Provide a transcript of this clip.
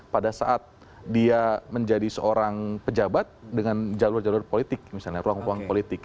pada saat dia menjadi seorang pejabat dengan jalur jalur politik misalnya ruang ruang politik